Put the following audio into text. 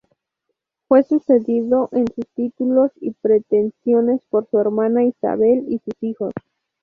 Fue sucedido en sus títulos y pretensiones por su hermana Isabel y sus hijos.